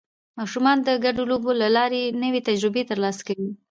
ماشومان د ګډو لوبو له لارې نوې تجربې ترلاسه کوي